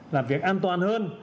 làm việc an toàn hơn